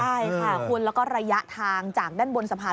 ใช่ค่ะคุณแล้วก็ระยะทางจากด้านบนสะพาน